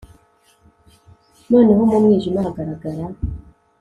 Noneho mu mwijima hagaragara